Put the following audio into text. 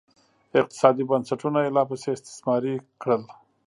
اقتصادي بنسټونه یې لاپسې استثماري کړل